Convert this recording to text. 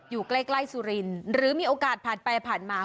อยู่ใกล้สุรินทร์หรือมีโอกาสผ่านไปผ่านมา